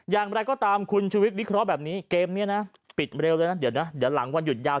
อย่างไรก็ตามคุณชุวิตวิเคราะห์แบบนี้เกมนี้นะปิดเร็วเลยนะเดี๋ยวนะเดี๋ยวหลังวันหยุดยาว